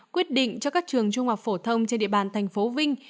quyết định cho các trường trung học phổ thông trên địa bàn tp vinh